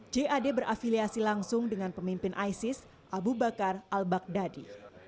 jad berafiliasi langsung dengan pemimpin isis abu bakar al baghdadi